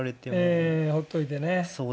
ええほっといてねうん。